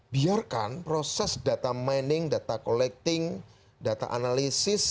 biarkan proses data mining data collecting data analisis